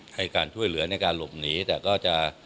ให้การช่วยเหลืออะไรการหลุมหนีก็จะ